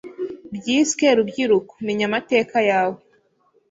byiswe Rubyiruko Menya Amateka Yawe